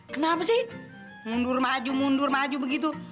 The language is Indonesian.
kenapa sih mundur maju mundur maju begitu